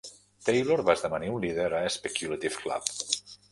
Taylor va esdevenir un líder a Speculative Club.